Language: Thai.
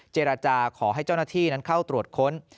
เจรจาขอให้เจ้าหน้าที่นั้นเข้าตรวจค้น